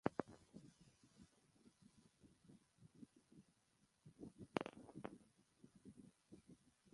পঞ্চায়েত পূজা হিন্দুধর্মের স্মার্ত ঐতিহ্যে পাওয়া ভক্তির রূপ।